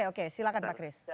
oke silakan pak kris